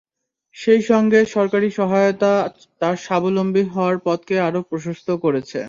সেই সঙ্গে সরকারি সহায়তা তার স্বাবলম্বী হওয়ার পথকে আরও প্রশস্ত করেছে।